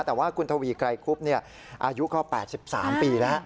แต่ว่าคุณทวีไกรคุบอายุก็๘๓ปีแล้ว